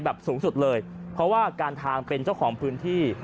สูงสุดเลยเพราะว่าการทางเป็นเจ้าของพื้นที่